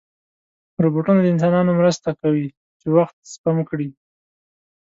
روبوټونه د انسانانو مرسته کوي چې وخت سپم کړي.